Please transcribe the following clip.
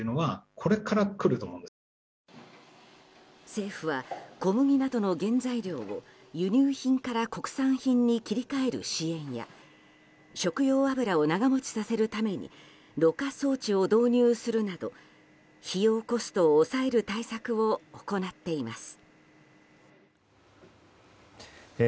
政府は小麦などの原材料を輸入品から国産品に切り替える支援や食用油を長持ちさせるためにろ過装置を導入するなど費用コストを抑える対策を行っています。